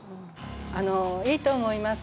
いいと思います。